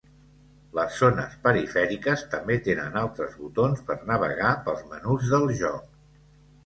Les zones perifèriques també tenen altres botons per navegar pels menús del joc.